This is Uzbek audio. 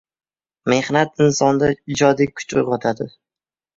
Mehnat insonda ijodiy kuch uyg‘otadi.